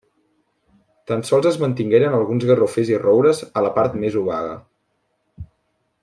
Tan sols es mantingueren alguns garrofers i roures a la part més obaga.